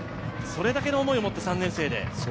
それだけの思いを持って３年生で。